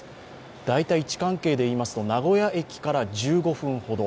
大体位置関係でいいますと名古屋駅から１５分ほど。